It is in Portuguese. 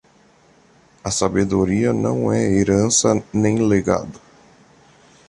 A sabedoria não é herança nem legado.